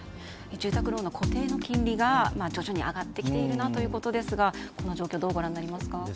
住宅ローンの固定の金利が徐々に上がってきているなということですがこの状況をどうご覧になりますか。